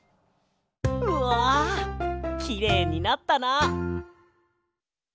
うわきれいになったな！